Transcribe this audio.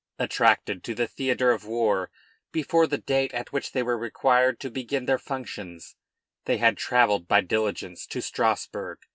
Attracted to the theatre of war before the date at which they were required to begin their functions, they had travelled by diligence to Strasburg.